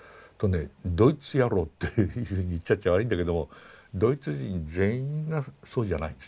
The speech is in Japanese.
ドイツ野郎っていうふうに言っちゃ悪いんだけどもドイツ人全員がそうじゃないんですよ。